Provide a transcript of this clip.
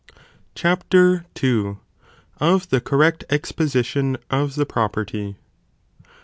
Cuap. IT.—Of the correct Exposition of the Property.